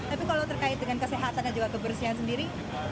apa terkait dengan kesehatan dan juga kebersihan sendiri